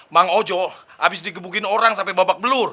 mang ojo abis dikebukin orang sampai babak belur